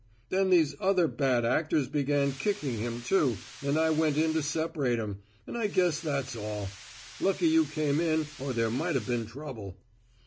Then these other bad actors began kicking him, too, and I went in to separate 'em and I guess that's all. Lucky you came in or there might have been trouble."